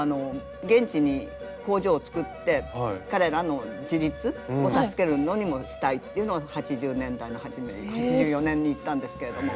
現地に工場をつくって彼らの自立を助けるのにもしたいっていうのを８０年代の初め８４年に行ったんですけれども。